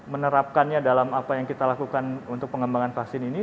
menerapkannya dalam apa yang kita lakukan untuk pengembangan vaksin ini